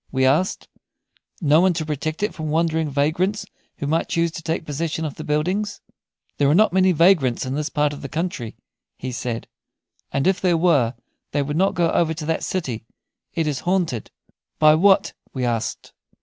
we asked; "no one to protect it from wandering vagrants who might choose to take possession of the buildings?" "There are not many vagrants in this part of the country," he said, "and if there were they would not go over to that city. It is haunted." "By what?" we asked.